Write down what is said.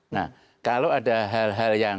nah kalau ada hal hal yang